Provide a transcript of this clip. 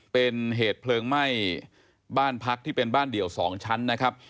เป็นเหตุเพลิงไหม้บ้านพักที่เป็นบ้านเดี่ยว๒ชั้นนะครับ